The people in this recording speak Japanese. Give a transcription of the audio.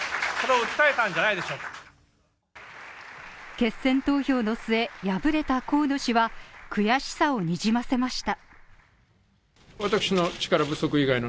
決選投票の末、敗れた河野氏は悔しさをにじませました。